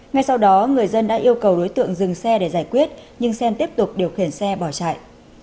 ngay sau đó người dân đã yêu cầu đối tượng dừng xe để giải quyết nhưng sen tiếp tục điều khiển xe bỏ chạy